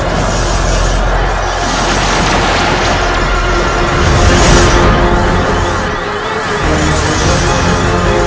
aku tidak peduli